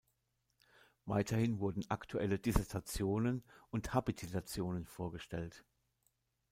Weiterhin wurden aktuelle Dissertationen und Habilitationen vorgestellt.